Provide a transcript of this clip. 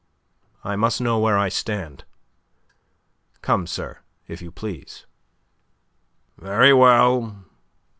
I must know where I stand. Come, sir, if you please." "Very well," said M.